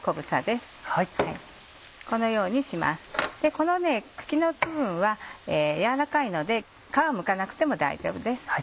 この茎の部分は軟らかいので皮むかなくても大丈夫です。